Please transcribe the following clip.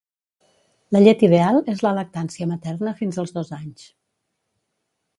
La llet ideal és la lactància materna fins als dos anys